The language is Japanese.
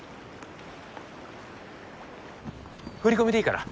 振り込みでいいから。